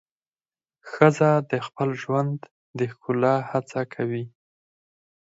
ښځه د خپل ژوند د ښکلا هڅه کوي.